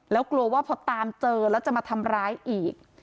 แล้วกลัวว่าพอตามเจอแล้วจะมาทำร้ายอีก